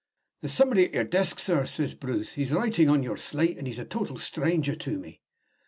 'There's somebody at your desk, sir,' says Bruce. 'He's writing on your slate; and he's a total stranger to me.'